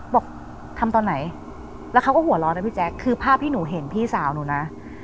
บอกทำตอนไหนแล้วเขาก็หัวร้อนนะพี่แจ๊คคือภาพที่หนูเห็นพี่สาวหนูนะ